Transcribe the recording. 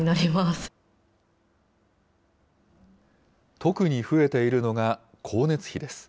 特に増えているのが光熱費です。